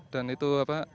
dan itu apa